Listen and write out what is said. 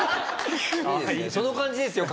その感じですよ